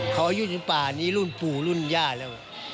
เขาอายุถึงป่านี้รุ่นปู่รุ่นย่าแล้ว